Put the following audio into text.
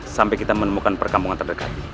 sampai kita menemukan perkampungan terdekat